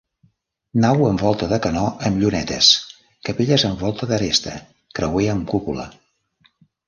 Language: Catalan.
Nau amb volta de canó amb llunetes; capelles amb volta d'aresta; creuer amb cúpula.